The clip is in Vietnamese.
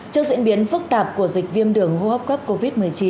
trước diễn biến phức tạp của dịch viêm đường hô hấp cấp covid một mươi chín